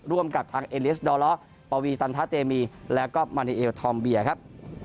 ร่วมกับทางเอลิสดอล้อปวีตันทะเตมีแล้วก็มารีเอลทอมเบียครับ